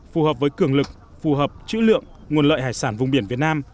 phù hợp với cường lực phù hợp chữ lượng nguồn lợi hải sản vùng biển việt nam